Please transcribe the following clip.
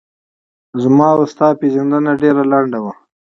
زما و ستا پیژندنه ډېره لڼده وه